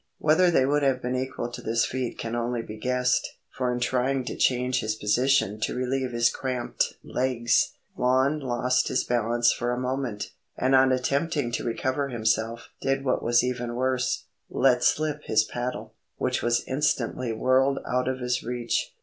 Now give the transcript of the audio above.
Whether they would have been equal to this feat can only be guessed; for in trying to change his position to relieve his cramped legs, Lon lost his balance for a moment, and on attempting to recover himself did what was even worse—let slip his paddle, which was instantly whirled out of his reach.